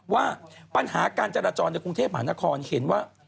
ว่าปัญหาการจราจรในกรุงเทพมหานครเห็นว่า